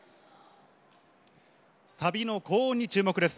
サビの高音に注目です。